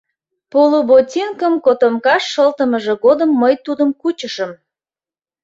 Полуботинкым котомкаш шылтымыже годым мый тудым кучышым.